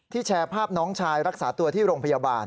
แชร์ภาพน้องชายรักษาตัวที่โรงพยาบาล